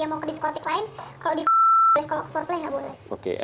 ya udah bisa ada yang lihat ajaweekreel